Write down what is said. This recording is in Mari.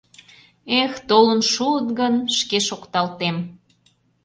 Эх, толын шуыт гын, шке шокталтем.